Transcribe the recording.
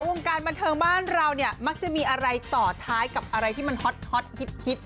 วงการบันเทิงบ้านเราเนี่ยมักจะมีอะไรต่อท้ายกับอะไรที่มันฮอตฮิต